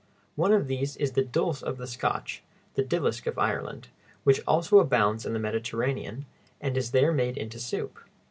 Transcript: One of these is the dulse of the Scotch (the dillisk of Ireland), which also abounds in the Mediterranean, and is there made into a soup.